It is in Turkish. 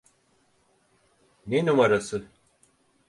Ne numarası?